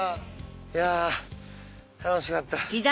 いや楽しかった。